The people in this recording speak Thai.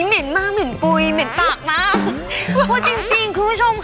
เม็นมากเม็นปุ๋ยเม็ดปากมาก